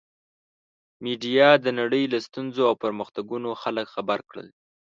میډیا د نړۍ له ستونزو او پرمختګونو خلک خبر کړل.